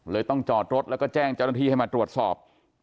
ต้องจอดรถแล้วก็แจ้งเจ้าหน้าที่ให้มาตรวจสอบ